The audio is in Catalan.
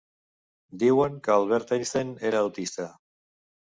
Diuen que Albert Einstein era autista.